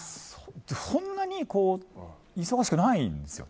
そんなに忙しくないんですよ